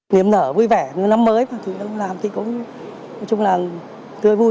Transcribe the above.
niềm nở vui vẻ năm mới mà thủ tục làm thì cũng tươi vui